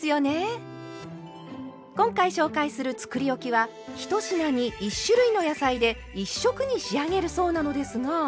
今回紹介するつくりおきは１品に１種類の野菜で１色に仕上げるそうなのですが。